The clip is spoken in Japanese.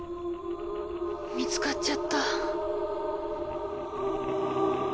見つかっちゃった。